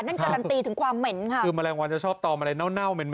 นั่นการันตีถึงความเหม็นค่ะคือแมลงวันจะชอบตอมอะไรเน่าเน่าเหม็น